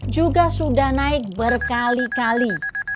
juga sudah naik berkali kali